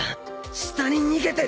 下に逃げてる！